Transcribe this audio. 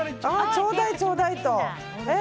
ちょうだい、ちょうだいと。